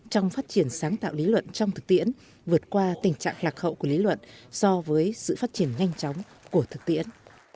trong phát triển sáng tạo lý luận trong thực tiễn vượt qua tình trạng lạc hậu của lý luận so với sự phát triển nhanh chóng của thực tiễn